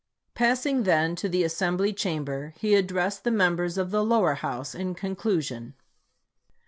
Passing then to the Assembly Chamber, he ad dressed the members of the lower house in con clusion